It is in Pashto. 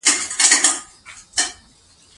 په بانک کې د مراجعینو لپاره د ناستې ځای شته.